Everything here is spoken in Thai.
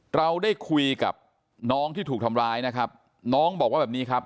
เราได้คุยกับน้องที่ถูกทำร้ายนะครับน้องบอกว่าแบบนี้ครับ